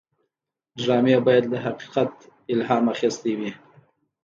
ډرامه باید له حقیقت الهام اخیستې وي